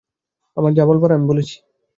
আমার যা বলার আমি বলেছি।